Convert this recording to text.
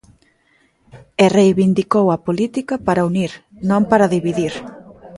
E reivindicou a política para unir, non para dividir.